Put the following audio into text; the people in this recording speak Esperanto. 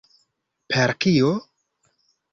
Per kio?